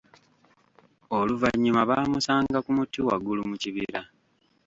Oluvanyuma baamusanga ku muti waggulu mu kibira.